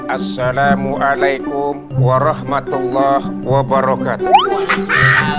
assalamualaikum warahmatullah wabarakatuh